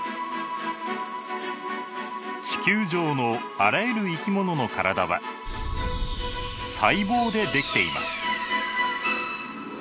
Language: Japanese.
地球上のあらゆる生き物の体は細胞でできています。